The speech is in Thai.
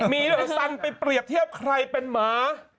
มีเรื่องสันไปเปรียบเทียบใครเป็นหมา